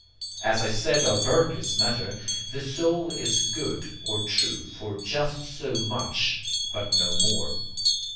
As I said of Berkeley's matter, the soul is good or 'true' for just SO MUCH, but no more.